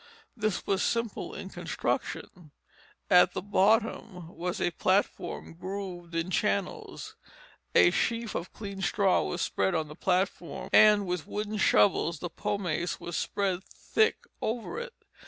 This was simple in construction. At the bottom was a platform grooved in channels; a sheaf of clean straw was spread on the platform, and with wooden shovels the pomace was spread thick over it.